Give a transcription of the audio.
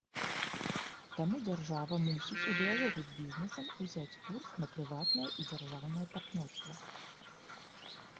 Таму дзяржава мусіць у дыялогу з бізнэсам узяць курс на прыватнае і дзяржаўнае партнёрства.